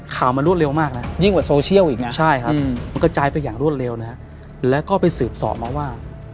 ข่าวมันรวดเร็วมากนะใช่ครับมันกระจายไปอย่างรวดเร็วนะแล้วก็ไปสืบสอบมาว่า